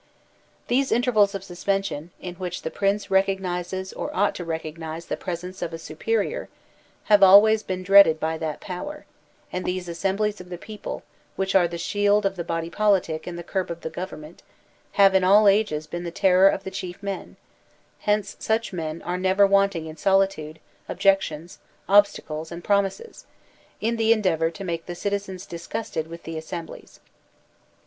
These intervals of suspension, in which the Prince recognizes or ought to recognize the presence of a supe rior, have always been dreaded by that power; and these assemblies of the people, which are the shield of the body politic and the curb of the government, have in all ages been the terror of the chief men; hence such men are never wanting in solicitude, objections, obstacles, and promises, in the endeavor to make the citizens disgusted with the assemblies.